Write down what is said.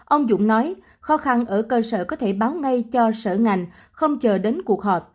ông dũng nói khó khăn ở cơ sở có thể báo ngay cho sở ngành không chờ đến cuộc họp